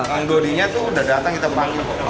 uang dodinya itu udah datang kita panggil